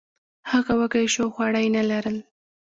هغه وږی شو او خواړه یې نه لرل.